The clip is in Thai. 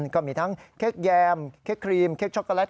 ก็มีทั้งเค้กแยมเค้กครีมเค้กช็อกโกแลต